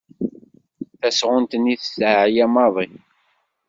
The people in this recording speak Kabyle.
Tasɣunt-nni teεya maḍi.